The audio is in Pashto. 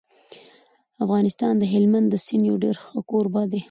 افغانستان د هلمند د سیند یو ډېر ښه کوربه دی.